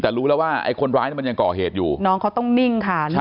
แต่รู้แล้วว่าไอ้คนร้ายมันยังก่อเหตุอยู่น้องเขาต้องนิ่งค่ะ